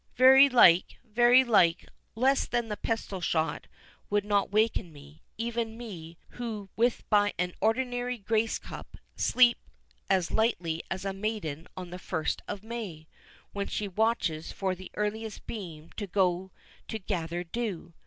"Very like—very like—less than the pistol shot would not waken me; even me, who with but an ordinary grace cup, sleep as lightly as a maiden on the first of May, when she watches for the earliest beam to go to gather dew.